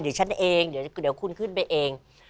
เดี๋ยวฉันเองเดี๋ยวคุณขึ้นไปเอง